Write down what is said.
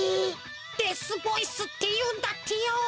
デスボイスっていうんだってよ。